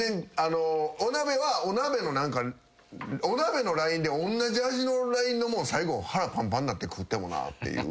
お鍋はお鍋のラインでおんなじ味のラインのもん最後腹パンパンなって食ってもなっていう。